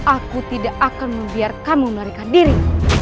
aku tidak akan membiarkanmu melarikan diri